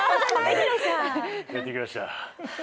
戻ってきました。